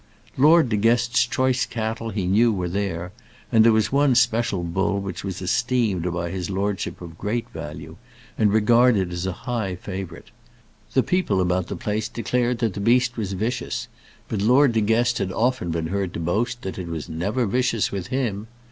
Lord De Guest's choice cattle he knew were there, and there was one special bull which was esteemed by his lordship as of great value, and regarded as a high favourite. The people about the place declared that the beast was vicious, but Lord De Guest had often been heard to boast that it was never vicious with him.